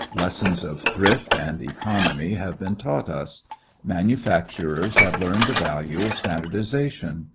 Lessons of thrift and economy have been taught us. Manufacturers have learned the value of standardization.